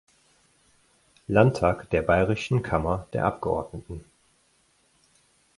Landtag der bayerischen Kammer der Abgeordneten.